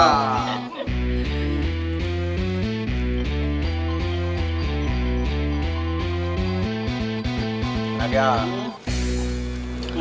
sekarang kita mulai